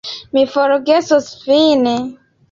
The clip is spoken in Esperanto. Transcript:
Mi forgesos vin.